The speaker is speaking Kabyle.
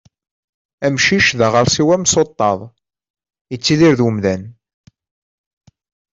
Amcic d aɣersiw amsuṭṭaḍ, yettidir d umdan.